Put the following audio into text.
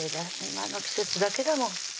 今の季節だけだもん